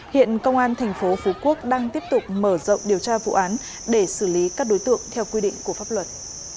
hiện công an tp phú quốc đang tiếp tục mở rộng điều tra vụ án để xử lý các đối tượng theo quy định của pháp luật